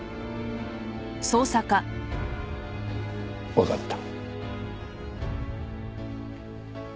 わかった。